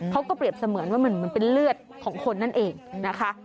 เขาก็เปรียบเสมือนว่ามันเป็นเลือดของคนนั่นเองนะคะ